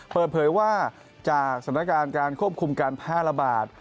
เปิดเผยว่าจากสถานการณ์การควบคุมการแพร่ระบาด